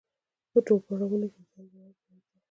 په ټولو پړاوونو کې د ځان باور پیاوړتیا خورا مهمه ده.